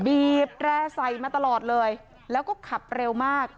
บีบแร่ใส่มาตลอดเลยแล้วก็ขับเร็วมาก